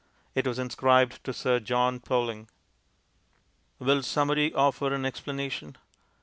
It was inscribed to Sir John Poling. Will somebody offer an explanation?